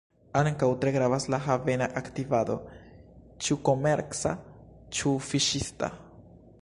Ankoraŭ tre gravas la havena aktivado, ĉu komerca, ĉu fiŝista.